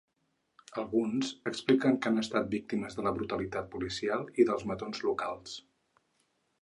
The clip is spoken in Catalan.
Alguns expliquen que han estat víctimes de la brutalitat policial i dels matons locals.